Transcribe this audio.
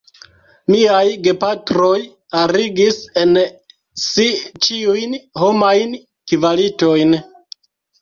Miaj gepatroj arigis en si ĉiujn homajn kvalitojn.